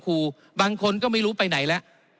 บางคนก็ไม่รู้ไปไหนแล้ว